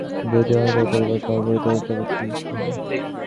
যদিই অনুতাপ করিবার কারণ ঘটিত তাহাতেই বা কী?